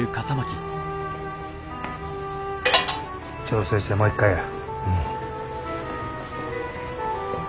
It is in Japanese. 調整してもう一回や。